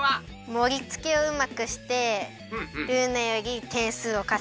もりつけをうまくしてルーナよりてんすうをかせぎます。